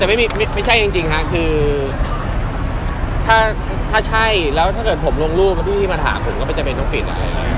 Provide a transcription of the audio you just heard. แต่ไม่ใช่จริงค่ะคือถ้าใช่แล้วถ้าเกิดผมลงรูปที่มาถามผมก็ไม่จำเป็นต้องปิดอะไรอย่างนี้